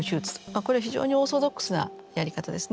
これは非常にオーソドックスなやり方ですね。